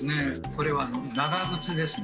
これは「長靴」ですね。